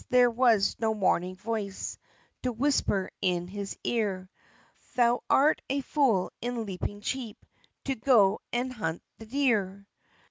there was no warning voice To whisper in his ear, Thou art a fool in leaping Cheap To go and hunt the deer!